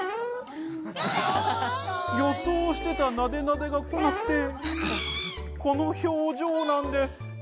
予想してたナデナデが来なくて、この表情なんです。